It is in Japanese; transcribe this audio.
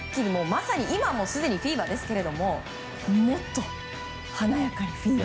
まさに今もすでにフィーバーですがもっと華やかにフィーバー。